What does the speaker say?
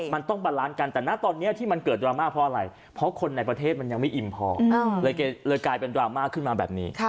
มันต้องบาลานซ์กันแต่ณตอนนี้ที่มันเกิดดราม่าเพราะอะไรเพราะคนในประเทศมันยังไม่อิ่มพอเลยกลายเป็นดราม่าขึ้นมาแบบนี้